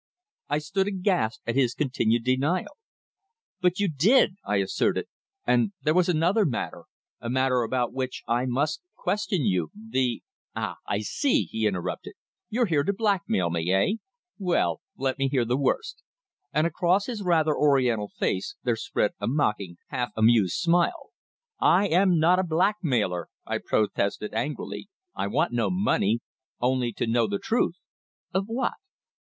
I stood aghast at his continued denial. "But you did," I asserted. "And there was another matter a matter about which I must question you the " "Ah! I see!" he interrupted. "You're here to blackmail me eh? Well let me hear the worst," and across his rather Oriental face there spread a mocking, half amused smile. "I am not a blackmailer!" I protested angrily. "I want no money only to know the truth." "Of what?"